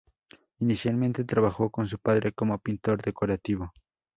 Inicialmente trabajó con su padre como pintor decorativo.